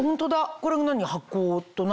これが何？